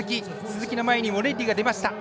鈴木の前にモレッリが出ました。